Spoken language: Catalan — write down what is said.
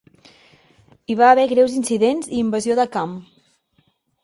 Hi va haver greus incidents i invasió de camp.